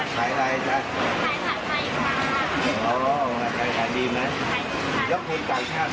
ข้าวขาดในความรู้สึก